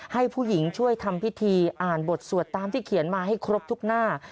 ให้ผู้หญิงช่วยทำพิธีอ่านบทสวดตามที่เขียนมาให้ครบทุกหน้า